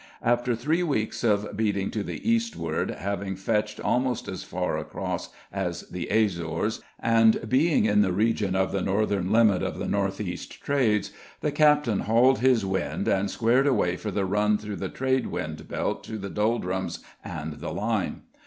After three weeks of beating to the eastward, having fetched almost as far across as the Azores, and being in the region of the northern limit of the N. E. trades, the captain hauled his wind and squared away for the run through the trade wind belt to the doldrums and the line.